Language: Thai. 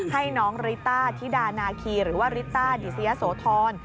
ให้น้องริต้าธิดานาคีหรือว่าริต้าดิสยะโสธร